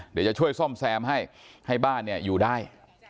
เดี๋ยวจะช่วยซ่อมแซมให้ให้บ้านอยู่ได้